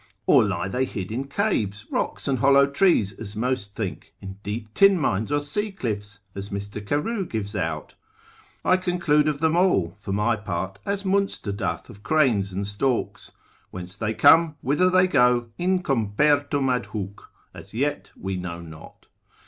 Or lie they hid in caves, rocks, and hollow trees, as most think, in deep tin mines or sea cliffs, as Mr. Carew gives out? I conclude of them all, for my part, as Munster doth of cranes and storks; whence they come, whither they go, incompertum adhuc, as yet we know not.